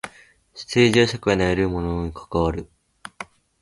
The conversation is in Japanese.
政治は社会のあらゆるものに関わる。